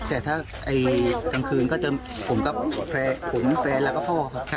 แต่ถ้าทั้งคืนก็เจอ